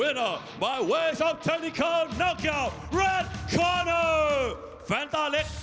เอาล่ะทุกคนคุณภาพเราจะรับไปต่อชั้นเร็ก